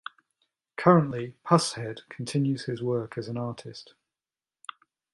Currently, Pushead continues his work as an artist.